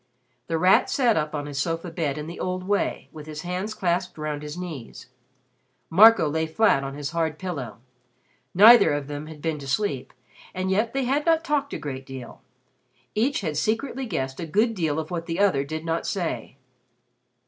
The Rat sat up on his sofa bed in the old way with his hands clasped round his knees. Marco lay flat on his hard pillow. Neither of them had been to sleep and yet they had not talked a great deal. Each had secretly guessed a good deal of what the other did not say.